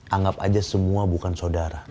anggap aja semua bukan saudara